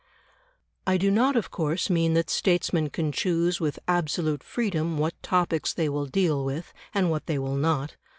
I do not of course mean that statesmen can choose with absolute freedom what topics they will deal with and what they will not.